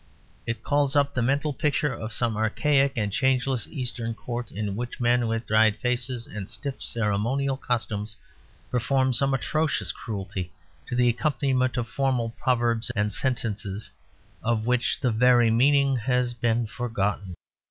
It calls up the mental picture of some archaic and changeless Eastern Court, in which men with dried faces and stiff ceremonial costumes perform some atrocious cruelty to the accompaniment of formal proverbs and sentences of which the very meaning has been forgotten.